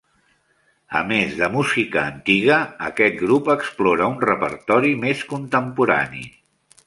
A més de música antiga, aquest grup explora un repertori més contemporani.